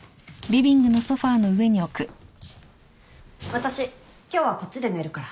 私今日はこっちで寝るから。